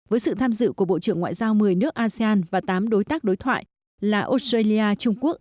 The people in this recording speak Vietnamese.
với sự tham dự của bộ trưởng ngoại giao một mươi nước asean và tám đối tác đối thoại là australia trung quốc